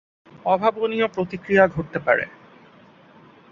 অভাবনীয় প্রতিক্রিয়া ঘটতে পারে।